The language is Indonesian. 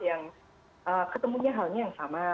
yang ketemunya halnya yang sama